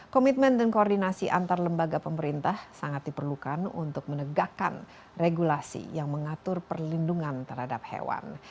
komitmen dan koordinasi antar lembaga pemerintah sangat diperlukan untuk menegakkan regulasi yang mengatur perlindungan terhadap hewan